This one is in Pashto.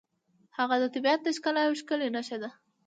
هغه د طبیعت د ښکلا یوه ښکلې نښه ده.